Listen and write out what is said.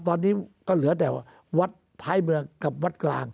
ตอนนี้ก็เหลือแต่วัดท้ายเมืองกับวัดกลาง